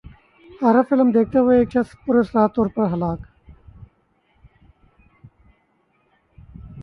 horror film دیکھتے ہوئے ایک شخص پراسرار طور پر ہلاک